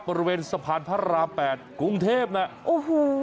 บริเวณสะพานพระรามแปดกรุงเทพน่ะโอ้โห